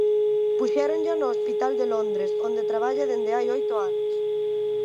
Puxéronlla no hospital de Londres onde traballa dende hai oito anos.